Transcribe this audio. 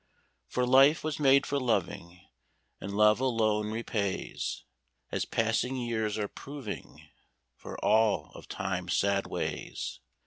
For life was made for loving, and love alone repays, As passing years are proving, for all of Time's sad ways.